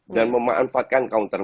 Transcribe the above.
dan memanfaatkan counter